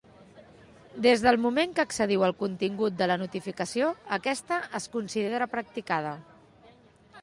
Des del moment que accediu al contingut de la notificació aquesta es considera practicada.